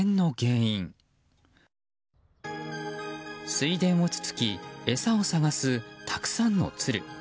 水田をつつき餌を探すたくさんのツル。